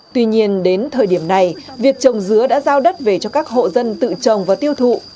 tuy nhiên đến thời điểm này việc trồng dứa đã giao đất về cho các hộ dân tự trồng và tiêu thụ